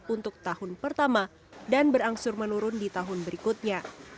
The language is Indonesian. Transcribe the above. untuk tahun pertama dan berangsur menurun di tahun berikutnya